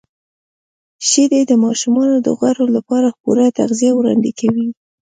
•شیدې د ماشومانو د غړو لپاره پوره تغذیه وړاندې کوي.